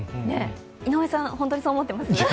井上さん、本当にそう思ってます？